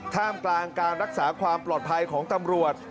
ท่ามกลางการรักษาความปลอดภัยของตำรวจ